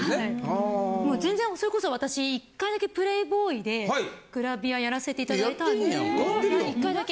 全然それこそ私１回だけ『プレイボーイ』でグラビアやらせていただいた１回だけ。